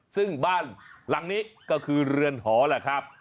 ซึ่งบ้านหลังนี้ก็คือเรือนหอแหละครับ